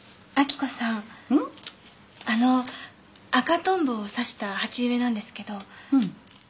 あの赤トンボを挿した鉢植えなんですけど。